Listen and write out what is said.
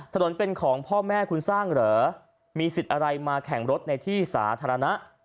ถนนเป็นของพ่อแม่คุณสร้างเหรอมีสิทธิ์อะไรมาแข่งรถในที่สาธารณะ